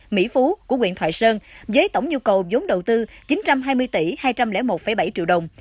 mỹ phú của quyện thoại sơn với tổng nhu cầu giống đầu tư chín trăm hai mươi tỷ hai trăm linh một bảy triệu đồng